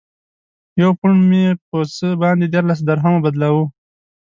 یو پونډ مو په څه باندې دیارلس درهمو بدلاوه.